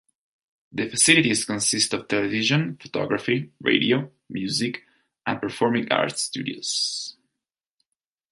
The facilities consist of television, photography, radio, music and performing arts studios.